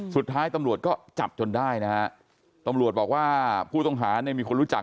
สุดท้ายตำรวจก็จับจนได้นะฮะตำรวจบอกว่าผู้ต้องหาเนี่ยมีคนรู้จัก